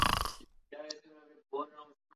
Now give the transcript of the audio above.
اس پورے شہر میں، میں واحد آدمی ہوں۔